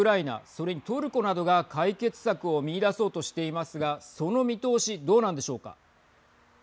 それにトルコなどが解決策を見いだそうとしていますがその見通しどうなんでしょうか。